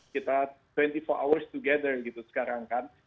kita dua puluh empat jam bersama sekarang kan